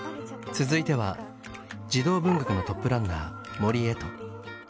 続いては児童文学のトップランナー